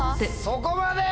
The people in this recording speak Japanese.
そこまで！